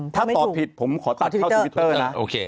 ถ้าตอบผิดผมขอตัดเข้าทวิตเตอร์นะโอเค